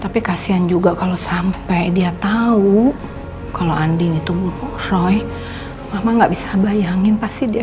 tapi kasihan juga kalau sampai dia tahu kalau andi itu roy mama nggak bisa bayangin pasti dia